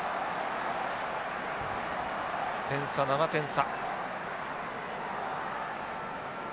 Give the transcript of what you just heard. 点差７点差。